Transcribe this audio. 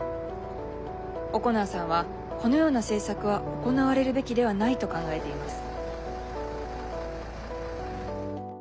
オコナーさんはこのような政策は行われるべきではないと考えてます。